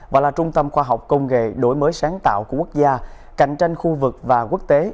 và là trung tâm khoa học công nghệ đổi mới sáng tạo của quốc gia cạnh tranh khu vực và quốc tế